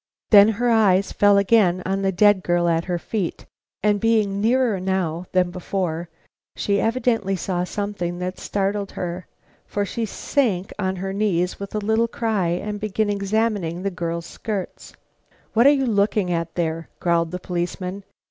Then her eyes fell again on the dead girl at her feet, and being nearer now than before, she evidently saw something that startled her, for she sank on her knees with a little cry and began examining the girl's skirts. "What are you looking at there?" growled the policeman.